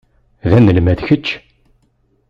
D anelmad kečč?